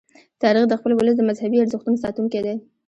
تاریخ د خپل ولس د مذهبي ارزښتونو ساتونکی دی.